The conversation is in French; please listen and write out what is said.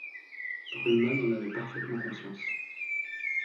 Ruhlmann en avait parfaitement conscience.